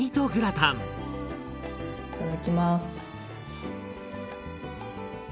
いただきます。